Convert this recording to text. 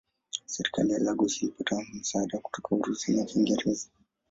Serikali ya Lagos ilipata msaada kutoka Urusi na Uingereza.